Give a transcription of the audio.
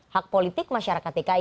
hak politik masyarakat dki